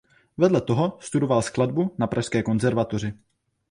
Vedle toho studoval skladbu na Pražské konzervatoři.